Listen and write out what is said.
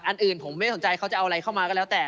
อื่นผมไม่สนใจเขาจะเอาอะไรเข้ามาก็แล้วแต่